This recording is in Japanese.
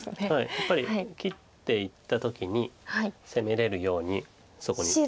やっぱり切っていった時に攻めれるようにそこに。